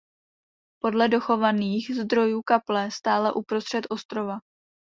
Podle dochovaných zdrojů kaple stála uprostřed ostrova.